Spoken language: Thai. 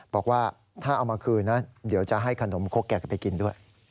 บอกว่าถ้าเอามาคืนนะเดี๋ยวจะให้ขนมคกแกไปกินด้วย